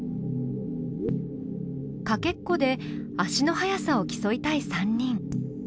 かけっこで足の速さを競いたい３人。